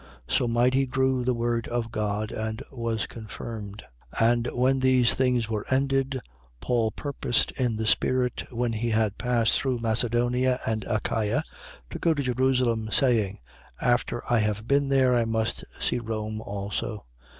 19:20. So mightily grew the word of God and was confirmed. 19:21. And when these things were ended, Paul purposed in the spirit, when he had passed through Macedonia and Achaia, to go to Jerusalem, saying: After I have been there, I must see Rome also.